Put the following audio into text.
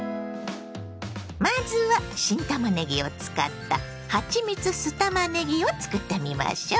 まずは新たまねぎを使った「はちみつ酢たまねぎ」を作ってみましょ。